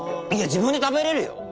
いや自分で食べれるよ！